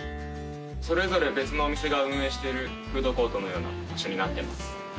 それぞれ別のお店が運営しているフードコートのような場所になってます。